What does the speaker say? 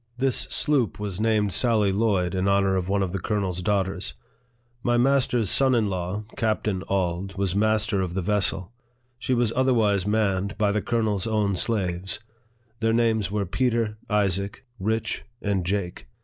This sloop was named Sally Lloyd, in honor of one of the colonel's daughters. My master's son in law, Captain Auld, was master of the vessel ; she was otherwise manned by the colonel's own slaves. Their names were Peter, Isaac, Rich, and Jake.